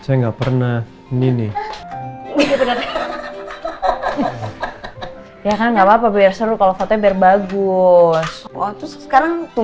saya nggak pernah ini nih ya nggak apa apa biar seru kalau fotonya biar bagus waktu